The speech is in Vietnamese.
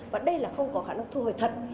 và đây là không có khả năng thu hồi thật